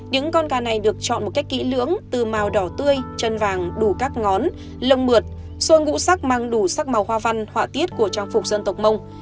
những con ca này được chọn một cách kỹ lưỡng từ màu đỏ tươi chân vàng đủ các ngón lông mượt xuông ngũ sắc mang đủ sắc màu hoa văn họa tiết của trang phục dân tộc mông